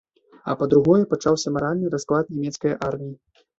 А па-другое, пачаўся маральны расклад нямецкае арміі.